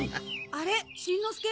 あれしんのすけ？